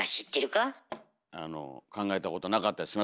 あの考えたことなかったです